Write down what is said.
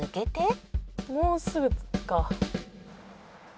「もうすぐ着くか」